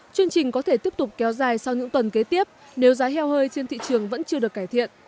chương trình có thể tiếp tục kéo dài sau những tuần kế tiếp nếu giá heo hơi trên thị trường vẫn chưa được cải thiện